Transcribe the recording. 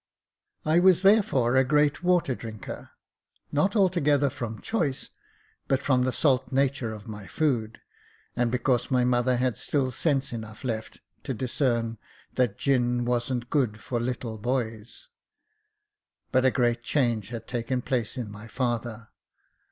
I was therefore a great water drinker, not altogether from choice, but from the salt nature of my food, and because my mother had still sense enough left to discern that " Gin wasn't good for little boys." But a great change had taken place in my father.